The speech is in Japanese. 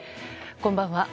こんばんは。